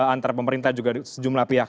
antara pemerintah juga sejumlah pihak